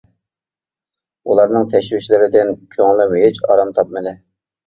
ئۇلارنىڭ تەشۋىشلىرىدىن كۆڭلۈم ھېچ ئارام تاپمىدى.